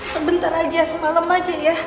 sebentar aja semalam aja ya